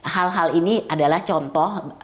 hal hal ini adalah contoh